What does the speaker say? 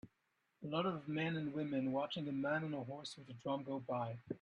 A lot of men and women watching a man on a horse with a drum go by.